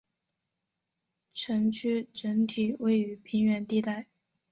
城区整体位于平原地带。